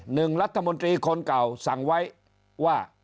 หนึ่งรัฐมนตรีคนเก่าสั่งไว้ว่า